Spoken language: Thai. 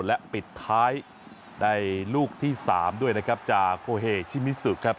และปิดท้ายในลูกที่๓ด้วยนะครับจากโคเฮชิมิสุครับ